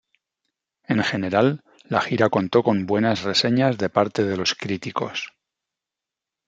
En general, la gira contó con buenas reseñas de parte de los críticos.